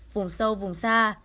vùng sâu vùng xa